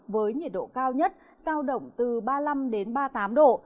với nhiệt độ cao nhất sao động từ ba mươi năm đến ba mươi tám độ